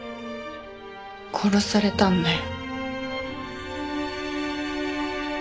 殺されたんだよ。